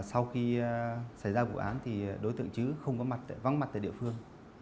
sau khi xảy ra vụ án thì đối tượng chứ không có mặt vắng mặt tại địa phương